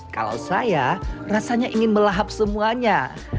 kalau saya rasanya ingin melahap semuanya